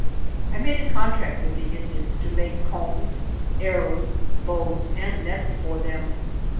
I made a contract with the Indians to make combs, arrows, bows and nets for them.